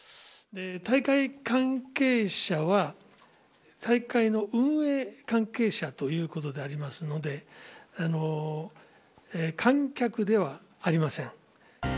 大会関係者は大会の運営関係者ということでありますので、観客ではありません。